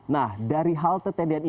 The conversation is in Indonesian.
nah dari halte tendian ini